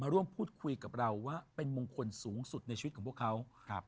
ร่วมพูดคุยกับเราว่าเป็นมงคลสูงสุดในชีวิตของพวกเขา